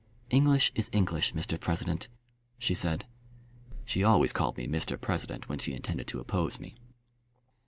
"English is English, Mr President," she said. She always called me "Mr President" when she intended to oppose me.